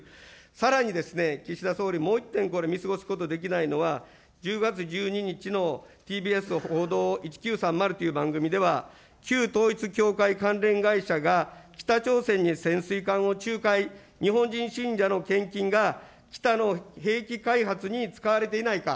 さらに、岸田総理、もう１点これ、見過ごすことできないのは、１０月１２日のＴＢＳ報道１９３０という番組では、旧統一教会関連会社が、北朝鮮に潜水艦を仲介、日本人信者の献金が、北の兵器開発に使われていないか。